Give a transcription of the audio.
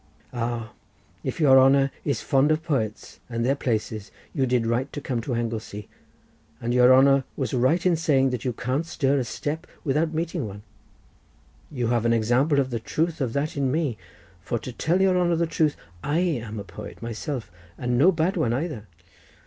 Ah, if your honour is fond of poets and their places you did right to come to Anglesey—and your honour was right in saying that you can't stir a step without meeting one; you have an example of the truth of that in me—for to tell your honour the truth, I am a poet myself, and no bad one either."